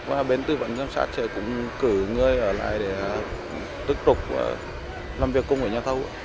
và bên tư vấn giám sát sẽ cũng cử người ở lại để tiếp tục làm việc cùng với nhà thầu